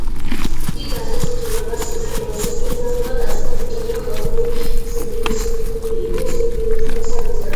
იგი გაზეთ „დროებას“ სისტემატურად აწვდიდა ქუთაისიდან ხალხური ზეპირსიტყვიერების ნიმუშებს დასაბეჭდად.